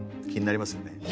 気になりますよね？